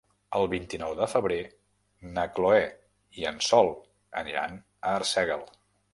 El vint-i-nou de febrer na Chloé i en Sol aniran a Arsèguel.